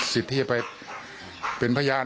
สิทธิ์ที่จะไปเป็นพยาน